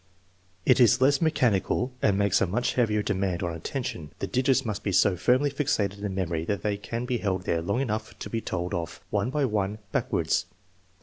It is less mechanical and makes a much heavier demand on attention. The digits must be so firmly fixated in memory that they can be held there long enough to be told off, one by one, backwards.